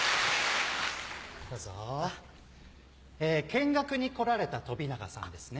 見学に来られた飛永さんですね？